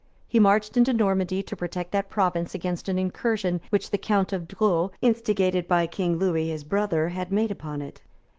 He marched into Normandy to protect that province against an incursion which the count of Dreux, instigated by King Lewis, his brother, had made upon it.